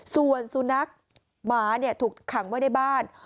ส่วนสุนัขหมาถูกขังไว้ในบ้าน